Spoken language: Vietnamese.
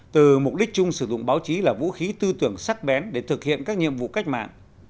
từ mục đích chung sử dụng báo chí là vũ khí tư tưởng sắc bén để thực hiện các nhiệm vụ cách mạng